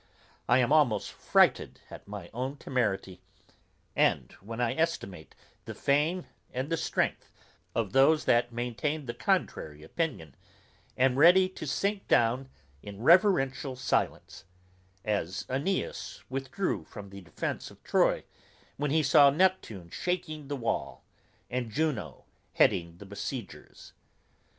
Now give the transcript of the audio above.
I am almost frighted at my own temerity; and when I estimate the fame and the strength of those that maintain the contrary opinion, am ready to sink down in reverential silence; as Æneas withdrew from the defence of Troy, when he saw Neptune shaking the wall, and Juno heading the besiegers.